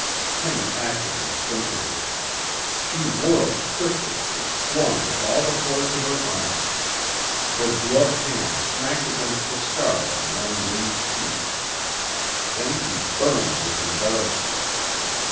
Penny acted instinctively. She whirled quickly and swung with all the force of her arm. Her gloved hand smacked against the scar on Rangoon's cheek. Then she burned with embarrassment.